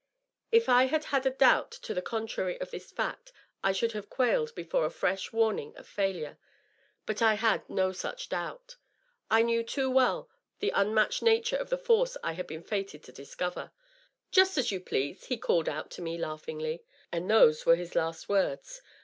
If I had had a doubt to the contrary of this fact, I should have ? nailed before a fresh warning of failure. But I had no such doubt, knew too well the unmatched nature of the force I had been fated to discover. " Just as you please," he called out to me, laughingly. And those were his last words.